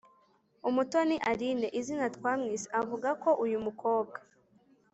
Umutoni Aline (izina twamwise) avuga ko uyu mukobwa